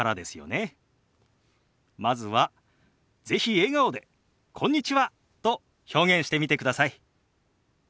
まずは是非笑顔で「こんにちは」と表現してみてください。